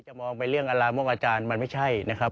มองไปเรื่องอลามกอาจารย์มันไม่ใช่นะครับ